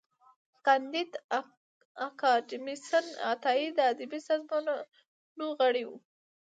کانديد اکاډميسن عطايي د ادبي سازمانونو غړی و.